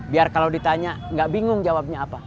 biar kalau ditanya nggak bingung jawabnya apa